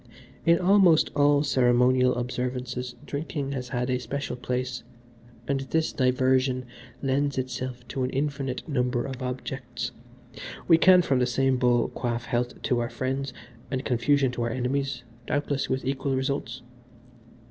In almost all ceremonial observances drinking has had a special place, and this diversion lends itself to an infinite number of objects we can from the same bowl quaff health to our friends and confusion to our enemies, doubtless with equal results.